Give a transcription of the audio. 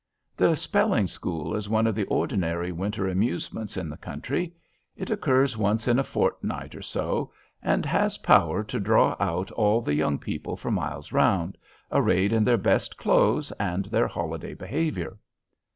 The spelling school is one of the ordinary winter amusements in the country. It occurs once in a fortnight, or so, and has power to draw out all the young people for miles round, arrayed in their best clothes and their holiday behavior.